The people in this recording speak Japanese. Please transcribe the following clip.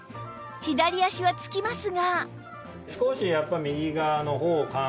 左脚はつきますが